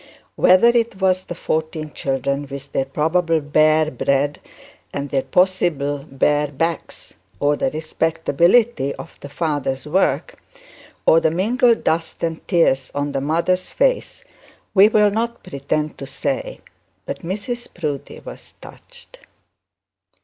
Whether it was the fourteen children with their probable bare bread and the possible bare backs, or the respectability of the father's work, or the mingled dust and tears on the mother's face, we will not pretend to say. But Mrs Proudie was touched.